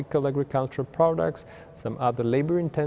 cũng cho người dùng